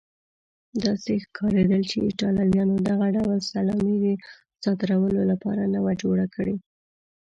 داسې ښکارېدل چې ایټالویانو دغه ډول سلامي د صادرولو لپاره نه وه جوړه کړې.